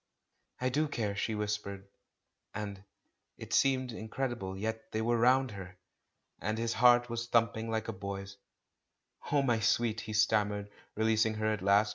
"I do care," she whispered, and — It seemed incredible, yet they were round her ! and his heart 418 THE MAN WHO UNDERSTOOD WOMEN was thumping like a boy's. "Oh, my sweet!" he stammered, releasing her at last.